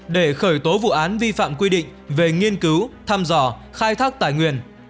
để khởi tố vụ án vi phạm quy định về nghiên cứu thăm dò khai thác tài nguyên